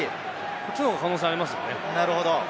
こっちの方が可能性ありますよね。